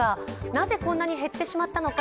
なぜこんなに減ってしまったのか。